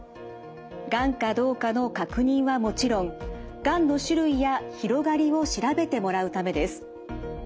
がんかどうかの確認はもちろんがんの種類や広がりを調べてもらうためです。